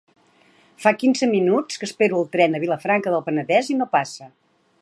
Fa quinze minuts que espero el tren a Vilafranca del Penedès i no passa.